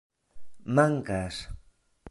mankas